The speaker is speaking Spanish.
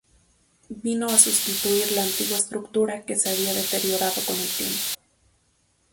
Vino a sustituir la antigua estructura que se había deteriorado con el tiempo.